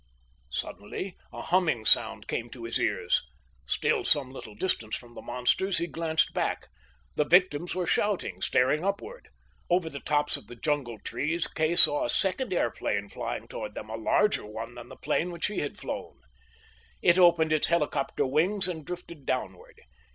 Suddenly a humming sound came to his ears. Still some little distance from the monsters, he glanced back. The victims were shouting, staring upward. Over the tops of the jungle trees Kay saw a second airplane flying toward them, a larger one than the plane which he had flown. It opened its helicopter wings and drifted downward.